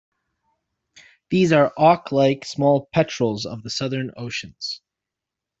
These are auk-like small petrels of the southern oceans.